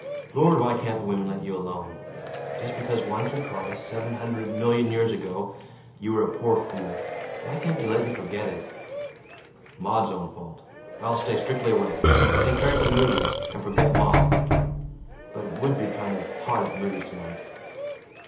Lord, why can't the women let you alone? Just because once or twice, seven hundred million years ago, you were a poor fool, why can't they let you forget it? Maud's own fault. I'll stay strictly away. Take Carrie to the movies, and forget Maud. ... But it would be kind of hot at the movies tonight."